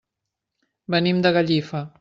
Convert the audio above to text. Venim de Gallifa.